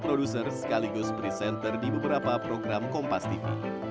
dan juga menjadi news producer sekaligus presenter di beberapa program kompas tv